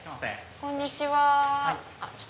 こんにちはあっ